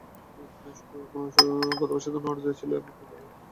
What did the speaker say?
গতবার শুধু নর্দে ছিল, এবার আমি এবং শেখ রাসেলে একজন মিলে তিনজন।